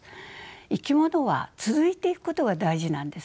生き物は続いていくことが大事なんですよ。